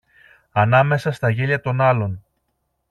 Ανάμεσα στα γέλια των άλλων